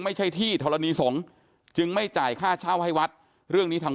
ไม่ใช่ที่ธรณีสงฆ์จึงไม่จ่ายค่าเช่าให้วัดเรื่องนี้ทาง